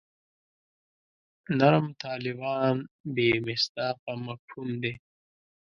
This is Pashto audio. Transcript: نرم طالبان بې مصداقه مفهوم دی.